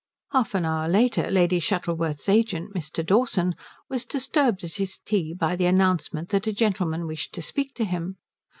Half an hour later Lady Shuttleworth's agent, Mr. Dawson, was disturbed at his tea by the announcement that a gentleman wished to speak to him.